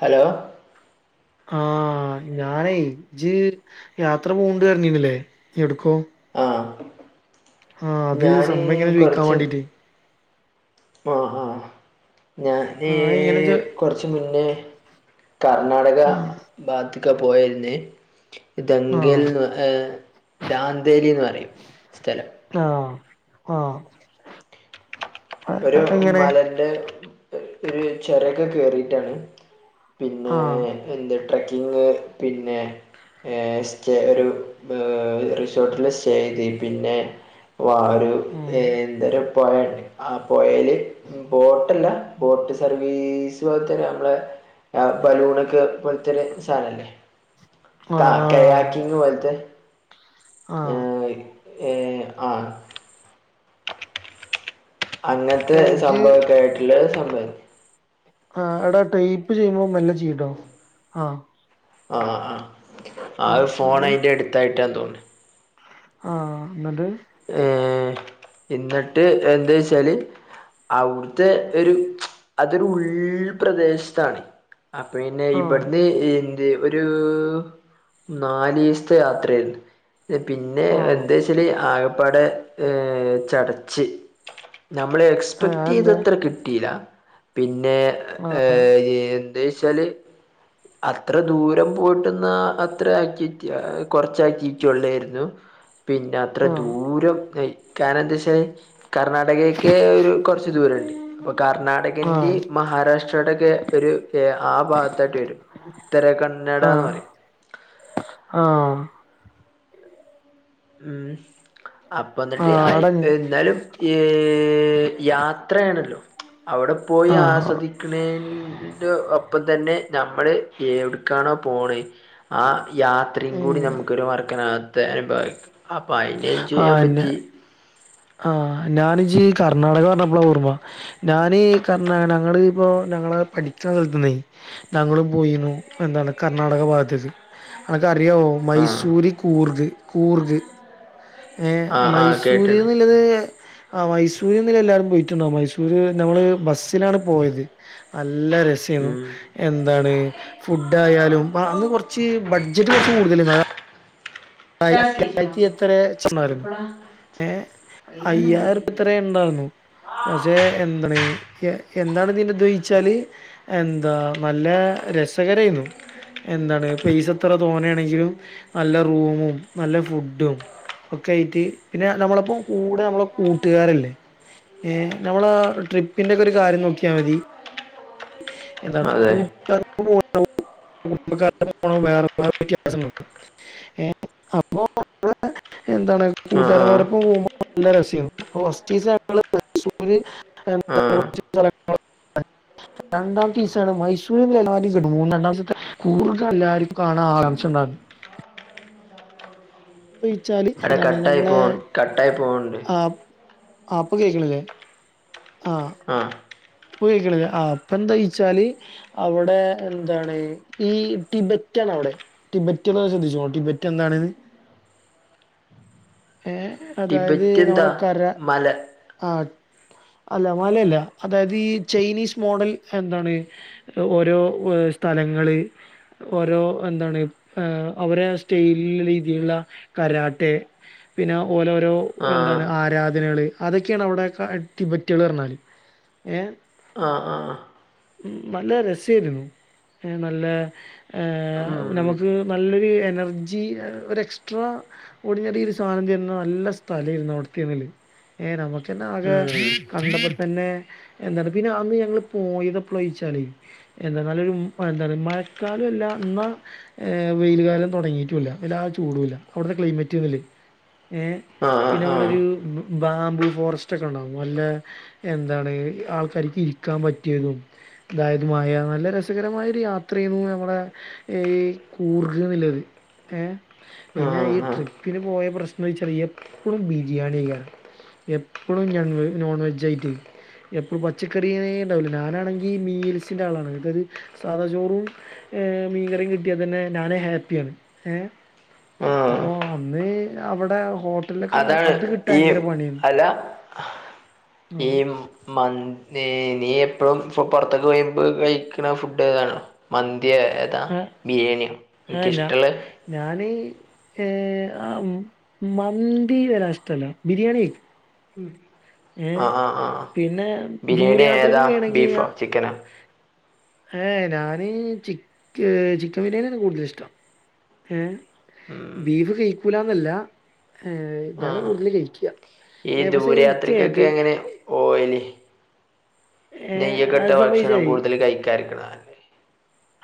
Hello ആ ഞാനേ ഇജ്ജ്- യാത്ര പോവണ്ട് പറഞ്ഞെർന്നില്ലേ എവിട്ക്കോ ആഹ് അത് ഞാനീ സംഭവം ഇങ്ങനെ ചോയിക്കാൻ കൊറച്ച്- വാണ്ടീട്ട് ആഹ് ആഹ് ഞാനെ ആഹ് കൊറച്ച് മുന്നേ- കർണാടക അതെങ്ങനെ ഭാഗത്തേക്ക് പോയേര്ന്ന് ദെങ്കൽന്ന് ദാന്തേലിന്ന് പറയും സ്ഥലം ആഹ് ആഹ് അഹ് ഒരു അതെങ്ങനെ മലന്റെ ഒരു ചൊരയൊക്കെ കേറിട്ടാണ് പിന്നെ ആഹ് എന്ത ട്രക്കിങ് പിന്നെ- പിന്നെ സ്റ്റേ ഒരു റിസോർട്ടില് സ്റ്റേ ചെയ്ത് പിന്നെ- ഒരു ഉം ഏന്തൊരു പൊയയുണ്ട് [unintelligible] ആ പോയേല് ബോട്ടല്ല ബോട്ട് സർവീസ് പോലത്തെ നമ്മളെ- ആ ബലൂണൊക്കെ പോലത്തൊരു സാധനല്ലേ- ക ആഹ് കയാ [unintelligible] ആഹ് ക്കിങ് പൊലത്തെ ഏ അഹ് ഏർ ആ [unintelligible] അങ്ങനത്തെ ഇജ്ജ് സംഭവയൊക്കെയായിട്ടുള്ള ഒരു സംഭവം ആ എടാ ടൈപ്പ് ചെയ്യുമ്പോ മെല്ല ചെയീട്ടോ ആഹ് ആഹ് ആഹ് ആ ആഹ് ഒരു ഫോൺ ഇന്നട്ട് അതിൻ്റെ അടുത്തായിട്ടാ തോന്നി ആഹ് എന്നിട്ട് - ഏ എന്നിട്ട് എന്താ വെച്ചാല് അവിടുത്തെ ഒരു അതൊരു ഉൾ പ്രദേശത്താണ്.. ആ പിന്നെ ആഹ് ഇവിടുന്ന്ഈ ഒരു നല്ഇവസത്തെ യാത്രയായിരുന്നു എ പിന്നെ ആഹ് എന്താ ആകപ്പാടെ ചടച്ച് നമ്മൾ. ഏഹ് എക്സ്പെക്ട് അതെന്തേ ചെയ്ത്ര കിട്ടിയില്ല പിന്നെ ആ ആഹ് എന്താ വെച്ചാൽ അത്ര ദൂരം പോയിട്ടുന്നാ അത്ര ആക്ടിവിറ്റി ആ കുറച്ച് ആക്ടിവിറ്റി ഉള്ളായിരുന്നു പിന്നെ അത്ര ആഹ് ദൂരം കാന എന്താച്ചേല്. കർണാടകൊക്കെ ഒരു കുറച്ച് ദൂരംഉണ്ട് അപ്പൊ ആഹ് കർണാടക്ന്റെ മഹാരാഷ്ട്രയുടെൊക്കെ ഒരു ആ ഭാഗത്തായിട്ട് വരും ഉത്തര കന്നഡ എന്ന് പറയും.. ആ.. ഉം അപ്പും എന്നിട്ട് ആ ആഹ് എടാ എന്നാലും ഏ യാത്രയാണല്ലോ അവിടെ പോയി ആഹ് ആസ്വദി.. എക്ക്ണേന്റ് ഒപ്പം തന്നെ ഞമ്മള് എവിടക്കാണോ പോണ ആ യാത്രയും കൂടി നമുക്കൊരു മറക്കനകത്ത അനുഭവായിക്കും.. അപ്പം അയിന ചെയ്യാൻ പറ്റി ആഹ ഞാനിജി കർണ്ണാടക പറഞ്ഞപ്പോളാ ഓർമ്മ ഞാനീ കർണാടകങ്ങള് ഇപ്പോ ഞങ്ങള് പഠിച്ച സ്ഥലത്തുന്നേ ഞങ്ങളും പോയിരുന്നു എന്താണ് കർണാടക ഭാഗത്തത് അക്ക് അറിയാവോ ആ മൈസൂരി കൂർഗ് കൂർഗ് ഏഹ് ആ ആ കേട്ടാണ് മൈസൂര്ന്നുള്ളത് ആ മൈസൂരെന്ന എല്ലാരും പോയിട്ടുണ്ടോ മൈസൂര് നമ്മള് ബസ്സിലാണ് പോയത് നല്ല രസ ഉം എന്താണ് ഫുഡ് ആയാലും അന്ന് കുറച്ച് ബഡ്ജറ്റ് കുറച്ച് കൂടുത- അയ്യായിരത്തി എത്ര ച്ഛന്മാരും ഏഹ് അയ്യായിരം അത്ര ഉണ്ടായിരുന്നു പക്ഷെ എന്തണ് എന്താണ് ഇതിയിച്ചാല് എന്താ നല്ല രസകരായി എന്താണ് പൈസ എത്ര തോന്നയാണെങ്കിലും നല്ല റൂമും നല്ല ഫുഡും ഒക്കെ ആയിട്ട് പിന്നെ നമ്മളപ്പം കൂടെ നമ്മളെ കൂട്ടുകാരല്ലേ ഏഹ് നമ്മള ട്രിപ്പിന്റെ ഒക്കെ ഒരു കാര്യം നോക്കിയാൽ മതി അതെ [unintelligible] കുടുംബാടെ പോ വേറെേ വ്യത്യാസ ഏഹ് അപ്പോ എന്താണ് ആ ആ കൂട്ടുകാരമാരപ്പ പോകുമ്പോ നല്ല രസിയം ഹോസ്റ്റേഴ്സ് ആവുമ്പോളെ ആ [unintelligible] രണ്ടാമത്തെ ഈസാണ് മൈസൂരി നിലവരിന്ന് രണ്ടാമത്തെ കൂർഗ് എല്ലാവർക്കും കാണാൻ ആകാംക്ഷ ഉണ്ടായി ച്ചാല് അവിടെ എതാണ് കട്ടായി നമ്മളെ പോ കട്ടായി പോകുന്നുണ്ട് ആഹ് ആഹ് അപ്പൊ കേൾക്കണല്ലേ ആഹ് ആഹ് പോയക്കളഞ്ഞ ആഹ് അപ്പ എന്താ വച്ചാല് അവിടെ എന്താണ് ഈ ടിബറ്റ നവിടെ ടിബറ്റ എന്ന് ശ്രദ്ധിച്ചോ ടിബറ്റ് എന്താണെന്ന് ഏഹ് അതായത് ടിബറ്റ് എന്താ നമ്മളെ കര മല ആ അല്ല മലയല്ല അതായത് ഈ ചൈനീസ് മോഡൽ എന്താണ് ഓരോ സ്ഥലങ്ങള്, ഓരോ എന്താണ് അവരെ സ്റ്റെലില്ള്ള രീതില്ള്ള കരാട്ടെ പിന്നെ ഓലോരോ ആ എന്താണ് ആരാധനകള് അതൊക്കെയാണ് അവിടെക്കെ അ ടിബറ്റുകള് പറഞ്ഞാല് ഏഹ് ആ ആ ഉം നല്ല രസേയിരുന്നു ഏഹ് നല്ല ഉം ഏഹ് നമക്ക് നല്ലൊരു എനർജി ഒരു എക്സ്ട്രാ ഒടിഞ്ഞടീല് സാനം തര്ന്ന നല്ല സ്ഥലേര്ന്നു അവ്ട്ത്തെന്നെല്ല് ഏഹ് നമക്കിന്ന് ആകെ ഉം കണ്ടപ്പ തന്നെ എന്താണ് പിന്നെ ആന്ന് ഞങ്ങള് പോയതെപ്പളാ ചോയിച്ചാല് എന്ത നല്ലൊരു മഴ ക്കാർ മഴക്കാലൊ ല്ലാ ന്നാ ഏഹ് വെയില്കാലം തൊടങ്ങീട്ടുംല്ല വല്ലാതെ ചൂടുംല്ല അവ്ട്ത്തെ ക്ലൈമറ്റ് ഇതല്ലെ ഏഹ് ആഹ് പിന്നെ ആഹ് അവിടൊരു ബാംബു ഫോറസ്റ്റൊക്കെ ഇണ്ടാവും നല്ല എന്താണ് ആൾക്കാര്ക്ക് ഇരിക്കാൻ പറ്റിയതും അതായതുമായ നല്ല രസകരമായ ഒരു യാത്രേയ്ന്നു നമ്മുടെ ഏയ് കൂർഗ് ന്ന്ല്ലത് ഏ പിന്നെ ആഹ് ഈ ആഹ് ട്രിപ്പിന് പോയ പ്രശ്നൊയ്ച്ചാല് എപ്പളും ബിരിയാണിയയ്ക്കാരം എപ്പളും ഞങ്ങൾ നോൺ വെജ് ആയിറ്റേയ് എപ്പളും പച്ചക്കറേന്നെ ഇണ്ടാവുല്ല. ഞാനാണെങ്കി മീൽസിന്റെ ആളാണ് അതാത് സാധാചോറും ഏം മീൻകറീ കിട്ട്യാതെന്നെ നാന് ഹാപ്പിയാണ് ഏ ആഹ് അപ്പൊ അന്ന് അവിടെ ഹോട്ടൽലൊക്കെ അതാണ് അത് കിട്ടാ- ഈ അല്ല ഈ- മന്തേ നീ എപ്പഴും പൊ പൊറത്തൊക്ക പോയി പ്പൊ കഴിക്ക്ണ ഫുഡ് ഏതാണ്? മന്തിയ ഏതാ ആ ആ ബിരേണിയ ആ, ഞാ നിനക്കിഷ്ട്ടള്ളത് ഞാന് ഏഹ് ആ മ് മന്തി വലാതെ ഇഷ്ടല്ല ബിരിയാണി കഴിക്കും. ഉം ഏഹ് പിന്നെ ദൂരെ ബിരിയാണി ഏതാ യാത്രയ്ക്കൊക്കെണെങ്കി ബീഫോ ഞാൻ ചിക്കനോ ഏഹ് ഞാന് ചിക്ക് ചിക്കൻ ബിരിയാണിയാണ് കൂട്തലിഷ്ടം. ഏഹ് ബീഫ് കയിക്കൂലാന്നല്ല, ഏ ഇതാണ് ആഹ് കൂട്തല് കയിക്ക ഈ ദൂരെയാത്രക്കൊക്കെ എങ്ങനെ ഓയല്? ഏ നെയ്യൊക്കെയിട്ട അത് ഭക്ഷണം സംഭവിച്ചായി കൂടുതല് കയിക്കാതെ ഇരിക്കണ നല്ലത് -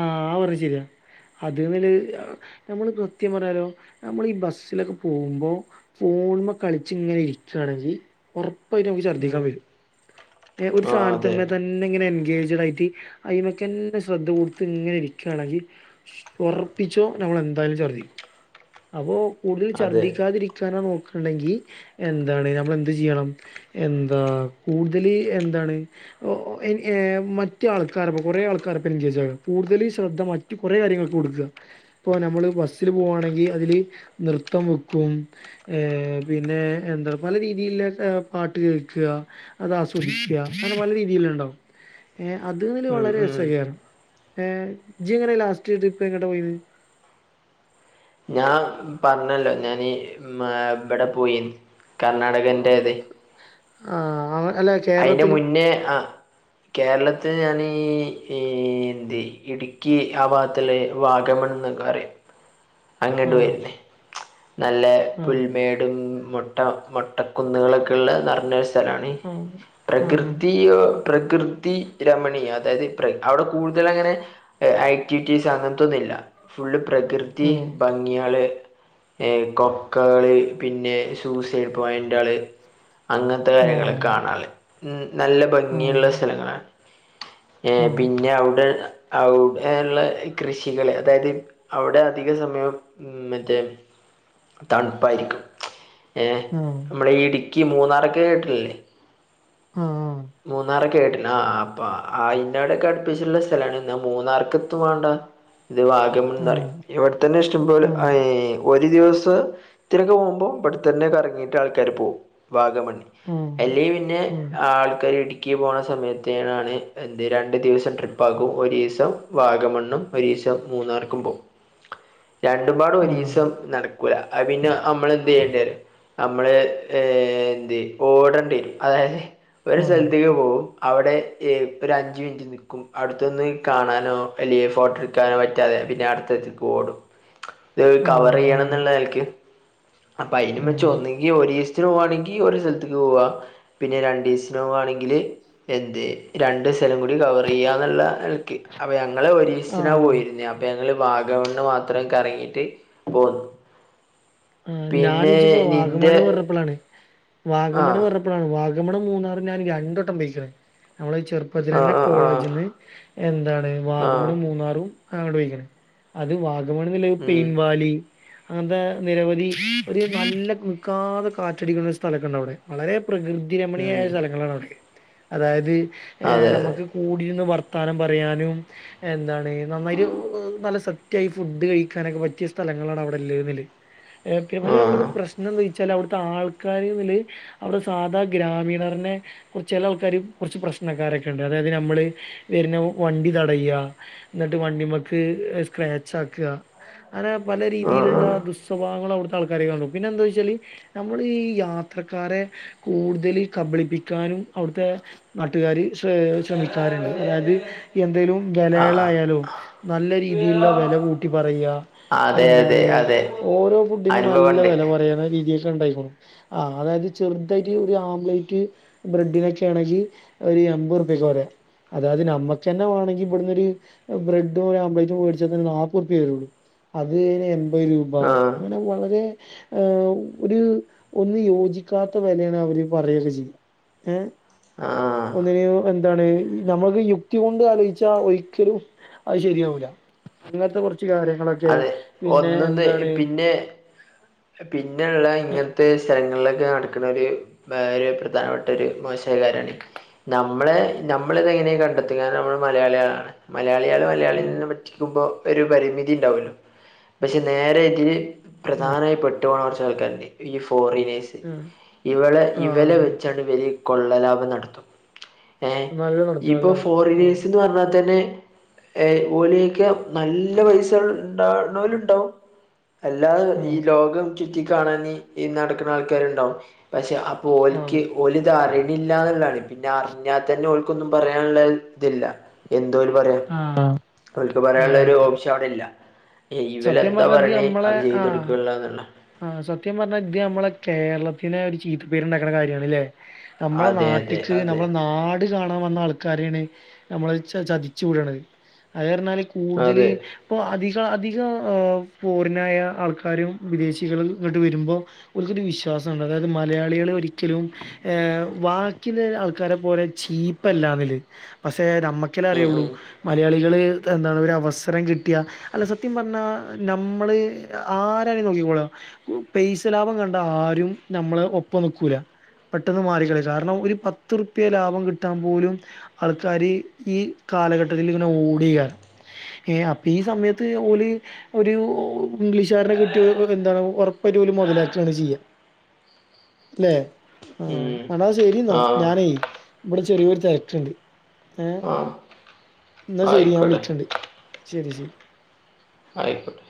ആഹ് ആ പറഞ്ഞത് ശെരിയാ. അത് നില്ലത് നമ്മള് കൃത്യം പറയാലോ നമ്മള് ഈ ബസ്സിലൊക്കെ പോവുമ്പോ ഫോൺമ്മ കളിച്ച് ഇങ്ങനെ ഇരിക്കാണോ ഇജ്ജ് ഒറപ്പായിട്ടും ഞ്ഞമ്മക്ക് ഛർദ്ദിക്കാൻ ഉം വരും എ ഒരു ആഹ് അതെ സാനത്ത്മ്മെത്തന്നെ ഇങ്ങനെ എൻഗേജ്ഡ് ആയിട്ട് അയിമക്കെന്നെ ശ്രദ്ധ കൊട് - ട്ത്ത് ഇങ്ങനെ ഇരിക്കാണെങ്കി ഒറപ്പിച്ചോ നമ്മളെന്തായാലും ഛർദ്ദിക്കും. അപ്പൊ കൂടുതല് അതെ ഛർദ്ദിക്കാതിരിക്കാനാ നോക്ക്ണെങ്കി എന്താണ് നമ്മളെന്ത് ചെയ്യണം? എന്താ, കൂട്തല് എന്താണ്? ഓഹ് ഏഹ് മറ്റേ ആൾക്കാർ ഇപ്പോ കൊറെ ആൾക്കാർ ഇപ്പോ എൻങ്കേജ് ആയെ കൂട്തല് ശ്രദ്ധ മറ്റു കൊറെ കാര്യങ്ങൾക്ക് കൊടുക്ക ഇപ്പൊ നമ്മള് ബസ്സില് പോവാണെങ്കി അതില് നൃത്തം വക്കും ഏഹ് പിന്നെ എന്താ പല രീതിയില്ലൊക്കെ പാട്ട് കേൾക്കാ അത് ആസ്വദിക്ക, അങ്ങനെ പല രീതിയില്ണ്ടാവും ഏ അത് [unintelligible] ഉം വളരെ ഉം രസേയ്ക്കാരം ഏഹ് ഇജ്ജ് ഇങ്ങനെ ലാസ്റ്റ് ട്രിപ്പ് എങ്ങ്ട്ടാ പോയീന്ന് ഞാ പറഞ്ഞല്ലോ, ഞാന് മ ഇബടെ പോയീന്ന് കർണ്ണാടകന്റെ ത് ആഹ് [unintelligible] അ ല്ലെ- അയിന്റെ മുന്നേ ആ കേരളത്ത് ഞാനീ ഈ ഇന്തി ഇടുക്കി ആ ഭാഗത്ത്ള്ളെ - വാഗമൺന്നൊക്കെ പറയും, അങ്ങട്ട് ആ പോയീന്ന് നല്ല ആഹ് പുൽമേടും, മൊട്ട മൊട്ടക്കുന്നുകളൊക്കെള്ള നെറഞ്ഞ ഒരു സ്ഥ ആഹ് [unintelligible] ആഹ് പ്രകൃതിയോ പ്രകൃതി രമണീയ അതായത് പ്ര അവിടെ കൂടുതലങ്ങനെ ആക്ടിവിറ്റീസ് അങ്ങൻത്തൊന്നില്ല ഫുള്ള് പ്രകൃതി ഭംഗിയാള് ഏയ് കൊക്കേള് പിന്നെ സൂയ്സൈഡ് പോയിന്റാള് അങ്ങൻത്തെ ആഹ് കാര്യങ്ങളെ കാണാള്ളെ ഉം നല്ല ആഹ് ഭംഗിയുള്ള സ്ഥലങ്ങളാണ് ഏ ആഹ് പിന്നെ അവ്ടെ അവ്ടേള്ള കൃഷികള് അതായത് അവ്ടെ അധിക സമയം ഉം മറ്റേ തണുപ്പായിരിക്കും ഏഹ് ആഹ് നമ്മളെ ഈ ഇടുക്കി മൂന്നാറൊക്കെ കേട്ടിട്ടില്ലേ ആഹ് മൂന്നാറൊക്കേട്ടിണ് ആഹ് അപ്പ അയിന്റെടൊക്കെ അടുപ്പിച്ചിട്ടുള്ള സ്ഥലാണ് ന്നാ മൂന്നാർക്കെത്തും വാണ്ട ഇത് വാഗമൺന്ന് പറയും ആഹ് ഇവിടെത്തന്നെ ഇഷ്ടംപോലെ ആഹ് ഏഹ് ഒരു ദിവസം ത്തിനൊക്കെ പോവുമ്പോ ഇവിടെത്തന്നെ കറങ്ങീട്ട് ആൾക്കാര് പോവും വാഗമണ്ണി ആഹ് ആഹ് അയില് പിന്നെ ആഹ് ആഹ് ആ ക്ക ഇടുക്കീ പോണ സമയത്തയ്ണാണ് എന്ത് രണ്ടു ദിവസം ട്രിപ്പ് ആക്കും ഒരീസം വാഗമണ്ണും ഒരീസം മൂന്നാർക്കും പോ രണ്ടുംപാടും ആഹ് ഒരീസം നട ക്കൂല അത് പിന്ന നമ്മളെന്തെയ്യണ്ടറിയൊ നമ്മള് ഏഹ് എന്തേ ഓടണ്ടേരും അതായത് ഒരു സ്ഥലത്തേക്ക് പോവും അവിടെ ഏ ഒരഞ്ച് മിനിറ്റ് ക്കും അടുത്തൊന്നും ഇകാണാനോ അല്ലേ ഫോട്ടോട്ക്കാനോ പറ്റാതെ പിന്നെ അടുത്തെത്തി ഓടും ഇത് ആഹ് ആഹ് കവർ ആഹ് ചെയ്യണംന്നുള്ള നെലക്ക് അപ്പൊ അയ്നുംവച്ചോന്നി ഈ ഒരീസത്തിന് പോവാണെങ്കി ഒരു സ്ഥലത്ത്ക്ക് പോവാ പിന്നെ രണ്ടീസ നോവാണെങ്കില് എന്തെ രണ്ട് സ്ഥലം കൂടി കവർ ചെയ്യാന്നുള്ള നെലക്ക് അപ്പൊ ഞങ്ങള് ഒരീസ്ത്തിനാ പോയിരുന്നെ അപ്പൊ ഞ ങ്ങള് വാഗമണ്ണ് മാത്രം കറങ്ങിട്ട് പോന്നു ആഹ് പിന്നെ ഞാനിജ്ജിപ്പോ നിന്റെ വാഗമണ്ണ് പറഞ്ഞപ്പളാണ് വാഗമണ് ആഹ് പറ വാഗമണും മൂന്നാറും ഞാൻ രണ്ടട്ടം പൊയ്ക്ക്‌ണ് നമ്മള് ചെർപ്പത്തിെലെന്നെ ആഹ് ആഹ് കോളേജ് ആഹ് ജ്ന്ന് എന്താണ് ആഹ് വാഗമണും മൂന്നാറും അങ്ങാട്ടോയ്ക്ക്‌ണ് അത് വാഗ [unintelligible] ഉം പെയിൻവാലി അങ്ങൻത്തെ നിരവധി ഒരു നല്ല നിൽക്കാതെ കാറ്റടിക്കുന്ന ഒരു സ്ഥലൊക്കെ ഉണ്ടവിടെ വളരെ പ്രകൃതി കൃതിരമണിയായ ഉം സ്ഥലങ്ങളാണ് അവിടൊക്കെ അതായത് ഏഹ് അതെ അതെ നമ്മക്ക് കൂടിര്ന്ന് വർത്താനം പറയാനും എന്താണ് നന്നായ്ട്ട് നല്ല സത്യായി ഫുഡ് കഴിക്കാനൊക്കെ പറ്റിയ സ്ഥലങ്ങളാണ് അവിടെല്ലുന്നല് ഓക്കെ പക്ഷെ അവിടുത്തെ ആഹ് പ്രശ്നന്താച്ചാല് അവിടുത്തെ ആൾക്കാരമ്മില് അവിടെ സാധാ ഗ്രാമീണരന്നെ കുർ ചെലാൾക്കാര് കുർച്ച് പ്രശ്നക്കാരൊക്കെണ്ട് അതായത് നമ്മള് വര്ന്ന വണ്ടി തടയാ എന്നിട്ട് വണ്ടിമ്മക്ക് സ്ക്രാച്ച് ആക്ക അങ്ങന പല ആഹ് രീതിയിലുള്ള ആഹ് ദുസ് സ്വഭാവങ്ങള് അവിടുത്തെ ആൾക്കാരീ കാണും പിന്നെന്താച്ചാല് നമ്മളീ യാത്രക്കാരെ കൂടുതല് കബളിപ്പിക്കാനും അവിടുത്തെ നാട്ടുകാര് ശ്രമിക്കാറുണ്ട് അതായത് എന്തേലും ആഹ് വെലയളായാലോ നല്ല രീതീല്ള്ള വെല കൂട്ടി പറയ അതെ അതെ അതെ ഓരോ ഫുഡിനും നല്ല അനുഭവണ്ട് വില പറയുന്ന രീതിയൊക്കെ ഒണ്ടായിക്ക്‌ണു ആഹ് അതായത് ചെർതായ്ട്ട് ഒരു ആംപ്ലേറ്റ് ബ്രെഡിനൊക്കേണെങ്കി ഒരു എമ്പുർപ്യക്കെ പറയാ അതായത് നമ്മുക്കെന്നെ വേണൊങ്കി ഇവിട്ന്നൊര് ബ്രെഡും ഒര് ആംപ്ലേറ്റും വേടിച്ചതന്നെ നാല്പത് റുപ്പ്യേ വരുള്ളൂ അതിന് എൺപത് രൂപ ആഹ് അങ്ങനെ വളരെ ഒരു ഒന്നും യോജിക്കാത്ത വെലയാണ് അവര് പറയയൊക്കെ ചെയ്യാ ഏ ആഹ് എ യു എന്താണ് നമ്മക്ക് യുക്തി കൊണ്ട് ആലോചിച്ച ഒരിക്കലും അത് ശരിയാവൂല ഇങ്ങൻത്തെ കുറച്ച് കാര്യങ്ങളൊ അതെ ഒന്ന്ന്ന് പിന്നെ പിന്നെള്ള ഇങ്ങൻത്തെ സ്ഥലങ്ങളിലൊക്കെ നടക്കണോര് വേറൊരു പ്രധാനപ്പെട്ടൊരു മോശായ കാര്യാണ് നമ്മെള് നമ്മളിതെങ്ങനെയാ കണ്ടെത്തി കാരണം നമ്മള് മലയാളികളാണ് മലയാളികള് ആ മലയാളികളെ പറ്റിക്കുമ്പോ ഒരു പരിമിതിയുണ്ടാവുല്ലോ പക്ഷെ നേരെ ഇതില് പ്രധാനായി പെട്ടുപോണ കുറച്ചാൾക്കാരുണ്ട് ഈ ഫോറിനേഴ്സ് ആ ഇവളെ ആ ഇവലെ വെച്ചാണ് ഇവര് കൊള്ളലാഭം നടത്തും ഏ നല്ല നടത്തും നല്ല ഇപ്പൊ നടത്തും ആ ഫോറിനേഴ്സ്ന്ന് പറഞ്ഞാതന്നെ ഏയ് ഒലെയ്ക്ക നല്ല പൈസയുണ്ടാവുന്നോരുണ്ടാവും അല്ലാതെ ഈ ലോകം ചുറ്റി കാണാന് ഈ നടക്കുന്ന ആൾക്കാരുണ്ടാവും പക്ഷെ ആ ഓൽക്ക് ഓലിത് അറിയണില്ലന്നാണ് പിന്നെ അറിഞ്ഞാൽ തന്നെ ഓ ഓൽക്കൊന്നും പറയാനുള്ളതില്ല എന്തോല് പറയാൻ ആ ഓൽക്ക് ആ പറയാനുള്ളോരോപ്ഷൻ അവിടില്ല സത്യം പറഞ്ഞാതിമ്മളെ അത് ആ ചെയ്ത് കൊടുക്കുള്ള എന്നുള്ള ആ സത്യം പറഞ്ഞാത് നമ്മളെ കേരളത്തിന് ഒരു ചീത്തപ്പേരുണ്ടാക്കുണ കാര്യാണല്ലേ നമ്മളെ അതെ അതെ നാട്ടിക്ക് അതെ നമ്മളെ നാട് നാട് കാണാൻ വന്നാൾക്കാരെയാണ് നമ്മള് ചചതിച്ചു വിടണത് അയ്പറഞ്ഞാല് കൂടുതല് അതെ പ്പൊ അധിക അധ ഫോറിനായ ആൾക്കാരും വിദേശികളും ഇങ്ങോട്ട് വരുമ്പോ ഓർക്കൊരു വിശ്വാസൊണ്ട് അതായത് മലയാളികളൊരിക്കലും ഏ വാക്കിന് ആൾക്കാരെ പോലെ ചീപ്പല്ലാവര് പക്ഷെ നമ്മക്ക് നിക്കല്ലേ ഉം അറിയുള്ളൂ ഉം മലയാളികള് ഇതെന്താണ് ഒരു അവസരം കിട്ടിയ അല്ല സ സത്യം പറഞ്ഞാ നമ്മള് ആരങ്ങന നോക്കിക്കൂടാ പേസ്സ ലാഭം കണ്ട ആരും നമ്മളെ ഒപ്പം നിക്കൂല പെട്ടെന്ന് മാറിക്കയും കാരണം ഒരു പത്തുറുപ്യ ലാഭം കിട്ടാൻ പോലും ആൾക്കാാര് ഈ കാലഘട്ടത്തിലിങ്ങനെ ഓടെകാരം ഏ അപ്പൊ ഈ സമയത്ത് ത്ത് ഓല് ഒരു ഇംഗ്ലീഷുകാരനെ കിട്ടിയ എന്താണാവു ഉറപ്പായിറ്റും മുതലാക്കെയാ ചെയ്യ ല്ലെ ഉം എടാ ശരി എന്നാ ആഹ് ഞാനേ ഇവിടെ ചെറിയൊരു തെരക്ക്‌ണ്ട് ഏ ആഹ് എന്നാ ശരി ഞാൻ ആയിക്കോട്ടെ വിളിക്കണ്ട് ശരി ശരി ആയിക്കോട്ടെ